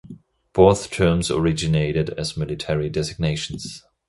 Both terms originated as military designations.